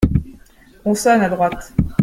On sonne à droite.